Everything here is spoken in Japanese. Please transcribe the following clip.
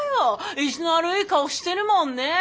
意地の悪い顔してるもんね。